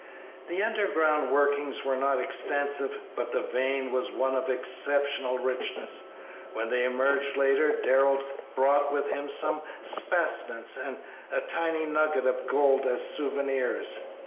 The underground workings were not extensive, but the vein was one of exceptional richness. When they emerged later Darrell brought with him some specimens and a tiny nugget of gold as souvenirs.